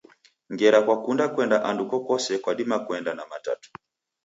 Ngera kwakunde kuende andu ukokose kwadima kuenda na Matatu.